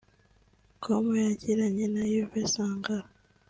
com yagiranye na Yves Sankara